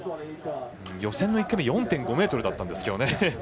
予選の１回目は４．５ｍだったんですけどね。